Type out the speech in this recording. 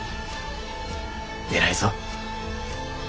偉いぞ。